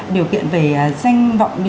điều kiện về danh vọng